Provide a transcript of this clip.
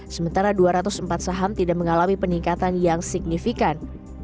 sementara dua ratus empat saham tidak mengalami peningkatan yang signifikan